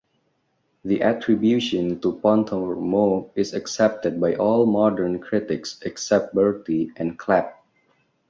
The attribution to Pontormo is accepted by all modern critics except Berti and Clapp.